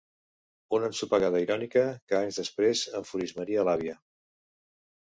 Una ensopegada irònica que anys després enfurismaria l'àvia.